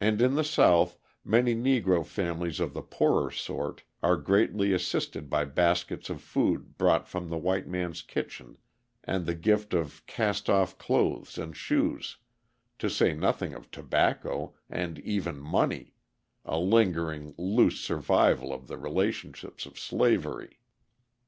And in the South many Negro families of the poorer sort are greatly assisted by baskets of food brought from the white man's kitchen and the gift of cast off clothes and shoes, to say nothing of tobacco, and even money a lingering loose survival of the relationships of slavery.